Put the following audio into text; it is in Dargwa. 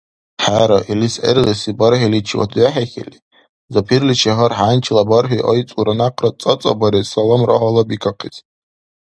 ХӀера, илис гӀергъиси бархӀиличивад вехӀихьили, Запирличи гьар хӀянчила бархӀи айцӀулра някъра цӀацӀабарес, саламра гьалабикахъес.